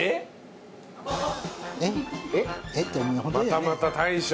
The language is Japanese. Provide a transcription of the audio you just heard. またまた大将。